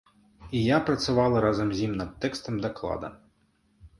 І я працавала разам з ім над тэкстам даклада.